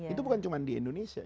itu bukan cuma di indonesia